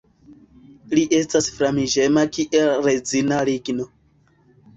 Li estas flamiĝema kiel rezina ligno.